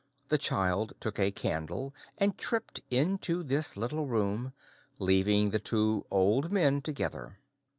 The child took a candle and tripped into this little room, leaving the two old men together.